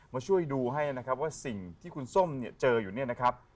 มาช่วยดูให้นะครับว่าสิ่งที่คุณส้มเนี่ยเจออยู่เนี่ยนะครับ